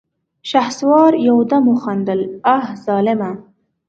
شهسوار يودم وخندل: اه ظالمه!